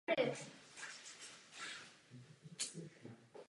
Nejvyšším představitel každého francouzského regionu je "prezident regionální rady".